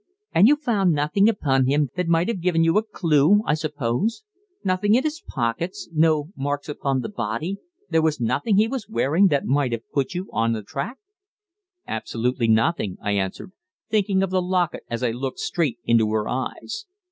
"And you found nothing upon him that might have given you a clue, I suppose; nothing in his pockets, no marks upon the body, there was nothing he was wearing that might have put you on the track?" "Absolutely nothing," I answered, thinking of the locket as I looked straight into her eyes.